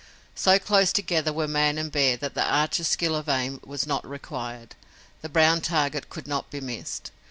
So close together were man and bear that archer's skill of aim was not required. The brown target could not be missed.